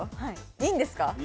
いいんですか？